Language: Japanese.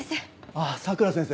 あっ佐倉先生。